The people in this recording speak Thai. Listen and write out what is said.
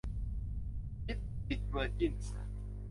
บริติชเวอร์จินส์